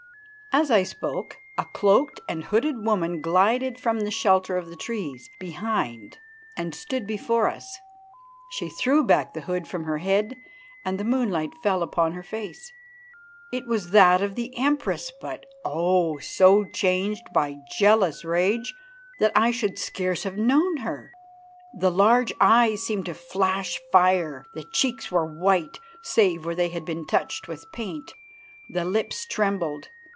As I spoke a cloaked and hooded woman glided from the shelter of the trees behind and stood before us. She threw back the hood from her head and the moonlight fell upon her face. It was that of the Empress, but oh! so changed by jealous rage that I should scarce have known her. The large eyes seemed to flash fire, the cheeks were white, save where they had been touched with paint, the lips trembled.